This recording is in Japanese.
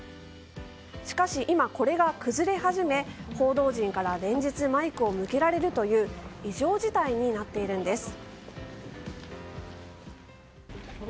しかし今、これが崩れ始め報道陣から連日マイクを向けられるという異常事態になっているんです。